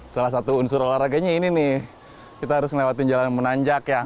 salah satu unsur olahraganya ini nih kita harus melewati jalan menanjak ya